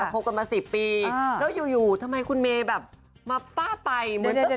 แล้วคบกันมาสิบปีอ่าแล้วอยู่ทำไมคุณเมย์แบบมาป้าไป